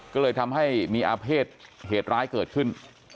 ก็เลยทำให้มีอาเภษเหตุร้ายเกิดขึ้น